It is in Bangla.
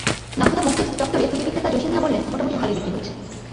নাখোদা মসজিদ চত্বরের টুপি বিক্রেতা জসিম মিয়া বললেন, মোটামুটি ভালোই বিক্রি হচ্ছে।